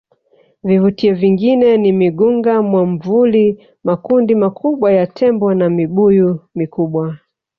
Vivutio vingine ni Migunga mwamvuli Makundi makubwa ya Tembo na Mibuyu mikubwa